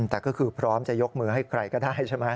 แต่ก็คือพร้อมจะยกมือให้ใครก็ได้ใช่ไหม